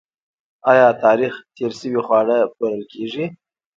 آیا تاریخ تیر شوي خواړه پلورل کیږي؟